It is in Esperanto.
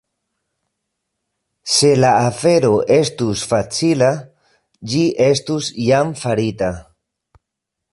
Se la afero estus facila, ĝi estus jam farita.